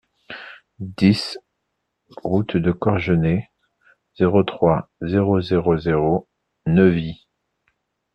dix route de Corgenay, zéro trois, zéro zéro zéro, Neuvy